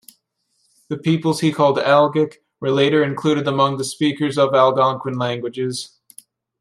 The peoples he called "Algic" were later included among the speakers of Algonquian languages.